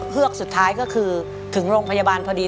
เฮือกสุดท้ายก็คือถึงโรงพยาบาลพอดี